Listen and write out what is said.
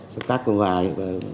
sắc tác còn vài